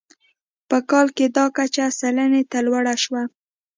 په کال کې دا کچه سلنې ته لوړه شوه.